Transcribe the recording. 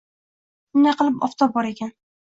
Shunday qilib, oftob bor ekan.